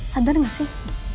sadar gak sih